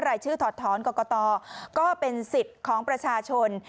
รายชื่อถอดถอนกรกตก็เป็นสิทธิ์ของประชาชน